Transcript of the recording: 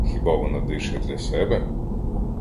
Хіба вона дише для себе?